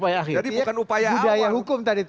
jadi bukan upaya apa budaya hukum tadi itu